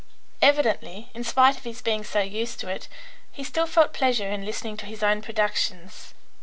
Evidently, in spite of his being so used to it, he still felt pleasure in listening to his own productions.